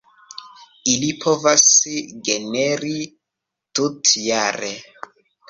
Ili povas generi tutjare.